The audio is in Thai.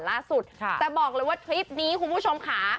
ล่าสุดค่ะแต่บอกเลยว่าคลิปนี้คุณผู้ชมค่ะ